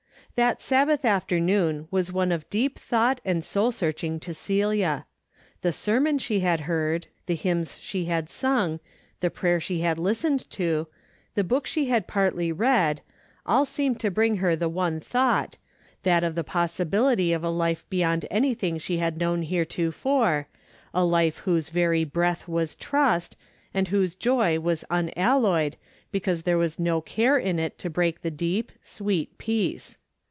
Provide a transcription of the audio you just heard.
That Sabbath afternoon was one of deep thought and soul searching to Celia. The sermon she had heard, the hymns she had sung, the prayer she had listened to, the book she had partly read, all seemed to bring her the one thought, that of the possibility of a life be yond anything she had known heretofore, a life whose every breath was trust, and whose joy was unalloyed because there was no care in it to break the deep, sweet peace.